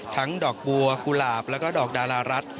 ดอกบัวกุหลาบแล้วก็ดอกดารารัฐ